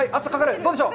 どうでしょう！？